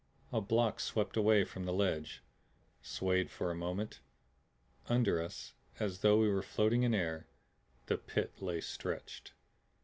A block swept away from the ledge, swayed for a moment. Under us, as though we were floating in air, the Pit lay stretched.